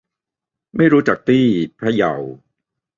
ไม่รู้จักตี้ พะเยา